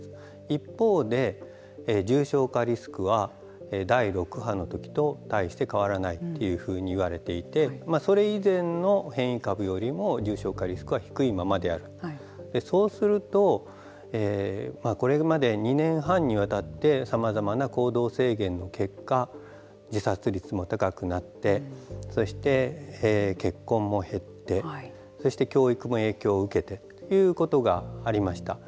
一方で重症化リスクは第６波のときと大して変わらないというふうに言われていてそれ以前の変異株よりも重症化リスクは低いままであるそうするとこれまで２年半にわたってさまざまな行動制限の結果自殺率も高くなってそして、結婚も減ってそして教育も影響を受けてということがありました。